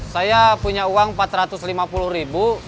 saya punya uang rp empat ratus lima puluh ribu